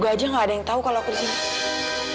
gue tamperin yang critre aku di sana moistnya